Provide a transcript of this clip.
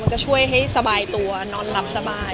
ก็ช่วยให้สบายตัวนอนหลับสบาย